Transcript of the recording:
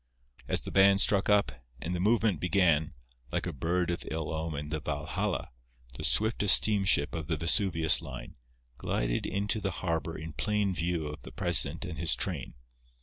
As the band struck up, and the movement began, like a bird of ill omen the Valhalla, the swiftest steamship of the Vesuvius line, glided into the harbour in plain view of the president and his train.